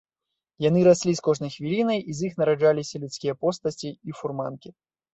Яны раслі з кожнай хвілінай, і з іх нараджаліся людскія постаці і фурманкі.